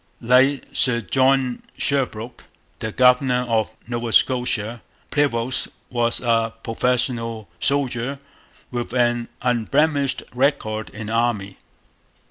Like Sir John Sherbrooke, the governor of Nova Scotia, Prevost was a professional soldier with an unblemished record in the Army.